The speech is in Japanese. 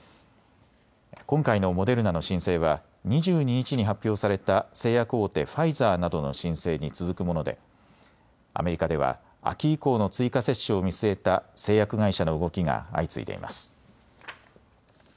今回のモデルナの申請は２２日に発表された製薬大手、ファイザーなどの申請に続くものでアメリカでは秋以降の追加接種を見据えた製薬会社の動きが相次いでいます。